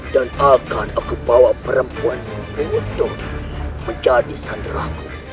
dan akan aku bawa perempuanmu untuk menjadi saudaraku